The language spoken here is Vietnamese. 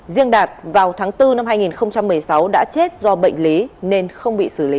riêng đạt vào tháng bốn năm hai nghìn một mươi sáu đã chết do bệnh lý nên không bị xử lý